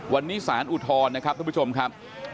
วันนี้สารอุทธรณ์นะครับทุกผู้ชมครับ